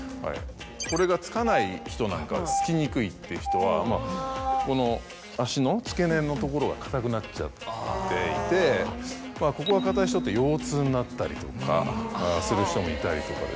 これがつかない人なんかやつきにくいっていう人はこの足の付け根のところが硬くなっちゃっていてここが硬い人って腰痛になったりとかする人もいたり。